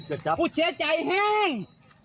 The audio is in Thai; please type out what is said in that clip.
กูเช้าใจแห้ง